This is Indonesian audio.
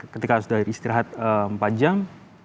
ketika sudah istirahat empat jam